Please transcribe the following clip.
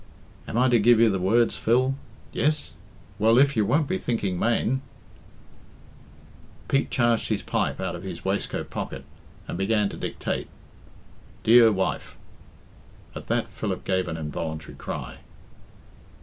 "Am I to give you the words, Phil? Yes? Well, if you won't be thinking mane " Pete charged His pipe out of his waistcoat pocket, and began to dictate: "Dear wife.'" At that Philip gave an involuntary cry.